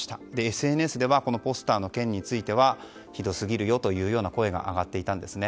ＳＮＳではポスターの件についてはひどすぎるなどの声が上がっていたんですね。